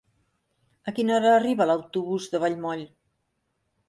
A quina hora arriba l'autobús de Vallmoll?